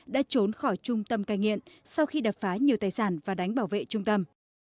đã trốn khỏi trung tâm cai nghiện sau khi đập phá nhiều tài sản và đánh bảo vệ trung tâm